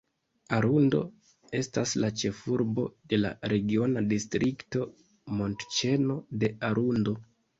Arundo estas la ĉefurbo de la regiona distrikto "Montĉeno de Arundo".